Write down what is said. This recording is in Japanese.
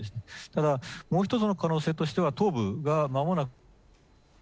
ただ、もう一つの可能性としては、東部がまもなく。